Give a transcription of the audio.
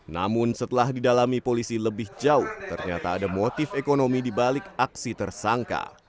namun setelah didalami polisi lebih jauh ternyata ada motif ekonomi dibalik aksi tersangka